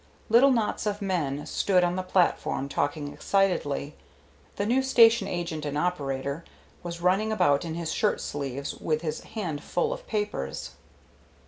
Little knots of men stood on the platform talking excitedly. The new station agent and operator was running about in his shirt sleeves with his hand full of papers.